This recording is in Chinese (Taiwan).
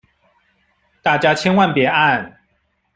大家千萬別按